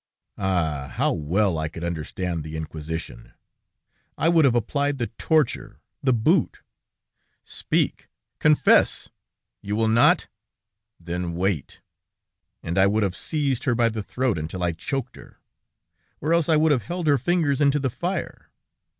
"Ah! how well I could understand the Inquisition! I would have applied the torture, the boot.... Speak!...Confess!...You will not? ...Then wait!...And I would have seized her by the throat until I choked her.... Or else I would have held her fingers into the fire.